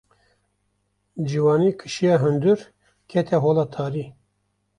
Ciwanî kişiya hundir, kete hola tarî.